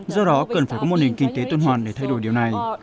do đó cần phải có một nền kinh tế tôn hoàn để thay đổi điều này